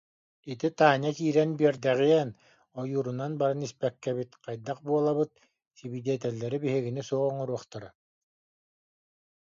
Ити Таня киирэн биэрдэҕиэн, ойуурунан баран испэккэбит, хайдах буолабыт, сибидиэтэллэри, биһигини, суох оҥоруохтара